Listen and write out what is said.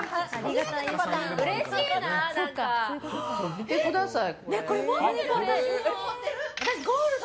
見てください。